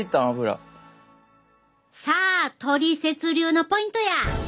さあトリセツ流のポイントや！